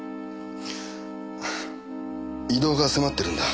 異動が迫ってるんだ。